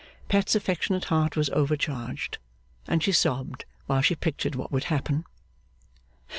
Pet's affectionate heart was overcharged, and she sobbed while she pictured what would happen.